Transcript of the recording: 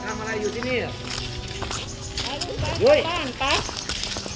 สำคัญบ้าง